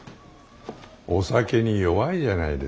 お酒に弱いじゃないですか。